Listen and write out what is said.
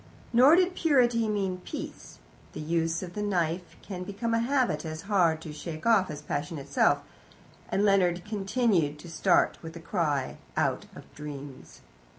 Nor did purity mean peace. The use of the knife can become a habit as hard to shake off as passion itself, and Leonard continued to start with a cry out of dreams.